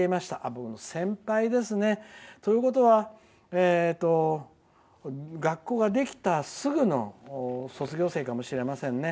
僕の先輩ですね。ということは学校ができたすぐの卒業生かもしれませんね。